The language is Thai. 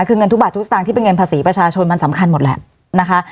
คือเงินทุกบาททุกสตางค์ที่เป็นเงินภาษีประชาชนมันสำคัญหมดแหละนะคะ